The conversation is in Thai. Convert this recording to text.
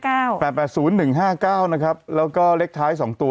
แปดแปดศูนย์หนึ่งห้าเก้านะครับแล้วก็เลขท้ายสองตัว